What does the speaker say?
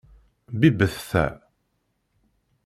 Bibbet ta.